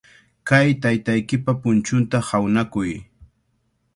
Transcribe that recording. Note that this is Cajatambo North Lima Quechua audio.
Kay taytaykipa punchunta hawnakuy.